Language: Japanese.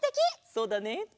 そうだね。